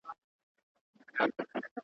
له انګلیسي ترجمې څخه.